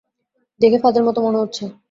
দেখে ফাঁদের মত মনে হচ্ছে।